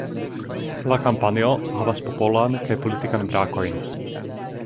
La kampanjo havas Popolan kaj Politikan brakojn.